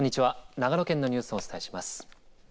長野県のニュースをお伝えします。